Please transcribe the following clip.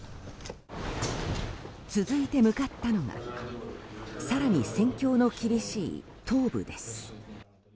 続いて向かったのが更に戦況の厳しい東部です。